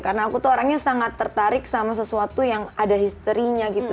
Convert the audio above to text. karena aku tuh orangnya sangat tertarik sama sesuatu yang ada history nya gitu